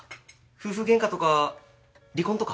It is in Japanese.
夫婦ゲンカとか離婚とか？